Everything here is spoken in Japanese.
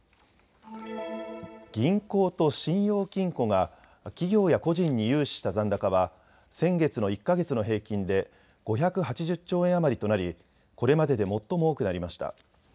銀行と信用金庫が企業や個人に融資した残高は先月の１か月の平均で５８０兆円余りとなり、これまでで最も多くなりました。